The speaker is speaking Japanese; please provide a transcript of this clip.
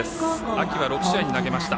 秋は６試合に投げました。